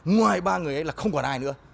ngoài ba người ấy là không còn ai nữa